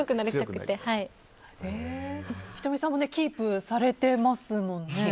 仁美さんもキープされてますものね。